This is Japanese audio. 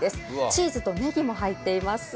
チーズとネギも入っています。